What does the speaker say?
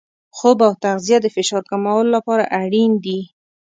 خوب او تغذیه د فشار کمولو لپاره اړین دي.